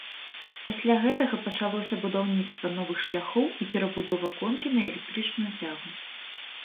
Пасля гэтага пачалося будаўніцтва новых шляхоў і перабудова конкі на электрычную цягу.